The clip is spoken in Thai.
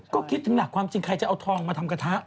ก็คิดถึงหลักความจริงใครจะเอาทองมาทำกระทะ